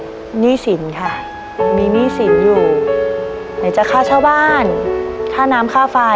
หนี้สินค่ะมีหนี้สินอยู่ไหนจะค่าเช่าบ้านค่าน้ำค่าไฟ